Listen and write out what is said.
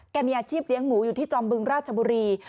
มีอาชีพเลี้ยงหมูอยู่ที่จอมบึงราชบุรี